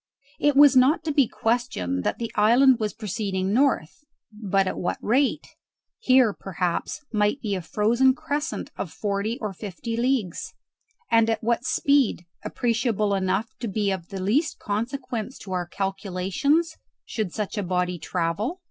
It was not to be questioned that the island was proceeding north, but at what rate? Here, perhaps, might be a frozen crescent of forty or fifty leagues: and at what speed, appreciable enough to be of the least consequence to our calculations, should such a body travel?